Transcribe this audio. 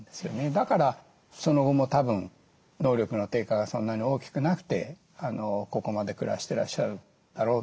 だからその後もたぶん能力の低下がそんなに大きくなくてここまで暮らしてらっしゃるだろうと思います。